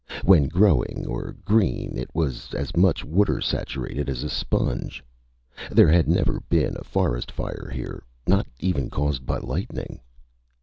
When growing or green it was as much water saturated as a sponge. There had never been a forest fire here, not even caused by lightning!